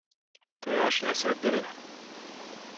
Tojás lesz reggelire?